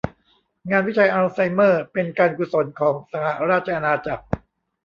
งานวิจัยอัลไซเมอร์เป็นการกุศลของสหราชอาณาจักร